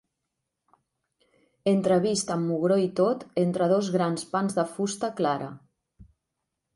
Entrevist amb mugró i tot entre dos grans pans de fusta clara.